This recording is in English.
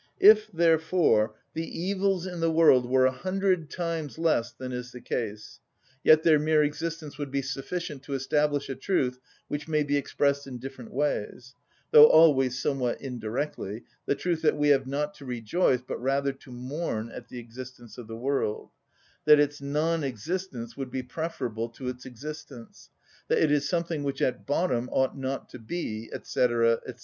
If, therefore, the evils in the world were a hundred times less than is the case, yet their mere existence would be sufficient to establish a truth which may be expressed in different ways, though always somewhat indirectly, the truth that we have not to rejoice but rather to mourn at the existence of the world;—that its non‐existence would be preferable to its existence;—that it is something which at bottom ought not to be, &c., &c.